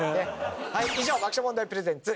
以上爆笑問題プレゼンツ